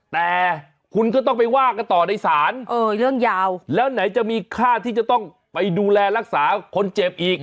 แต่คุณก็ต้องไปว่ากันต่อในศาลเออเรื่องยาวแล้วไหนจะมีค่าที่จะต้องไปดูแลรักษาคนเจ็บอีก